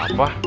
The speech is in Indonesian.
aduh aduh aduh